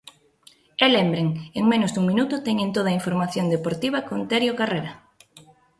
E lembren, en menos dun minuto teñen toda a información deportiva con Terio Carrera.